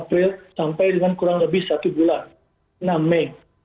dua puluh april sampai dengan kurang lebih satu bulan enam mei